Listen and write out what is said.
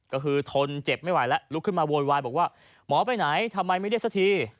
ก็คือทนเจ็บไม่ไหวแล้วลุกขึ้นมาโวยวายบอกว่าหมอไปไหนทำไมไม่ได้สักที